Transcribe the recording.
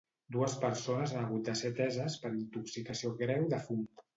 Dues persones han hagut de ser ateses per intoxicació greu de fum.